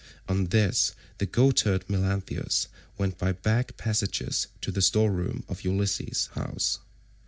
On this the goatherd Melanthius went by back passages to the store room of Ulysses' house.